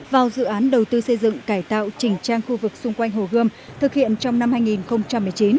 vào dự án đầu tư xây dựng cải tạo chỉnh trang khu vực xung quanh hồ gươm thực hiện trong năm hai nghìn một mươi chín